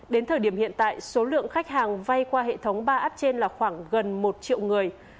đến thời điểm hiện tại số lượng khách hàng vay qua hệ thống ba app trên là khoảng gần một triệu người